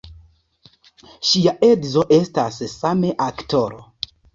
Ŝia edzo estas same aktoro.